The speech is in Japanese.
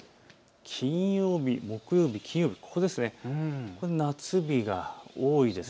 金曜日、木曜日、夏日が多いです。